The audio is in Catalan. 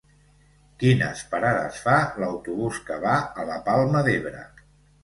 Quines parades fa l'autobús que va a la Palma d'Ebre?